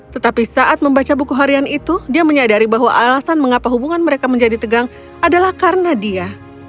tetapi saat membaca buku harian itu dia menyadari bahwa alasan mengapa hubungan mereka menjadi tegang adalah karena dia